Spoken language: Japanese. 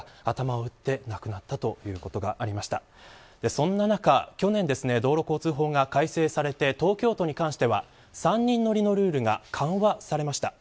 そんな中、去年道路交通法が改正されて東京都に関しては３人乗りのルールが緩和されました。